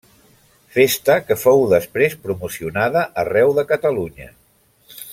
Festa que fou després promocionada arreu de Catalunya.